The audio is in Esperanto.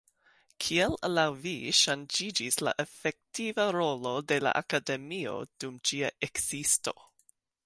Kiel laŭ vi ŝanĝiĝis la efektiva rolo de la Akademio dum ĝia ekzisto?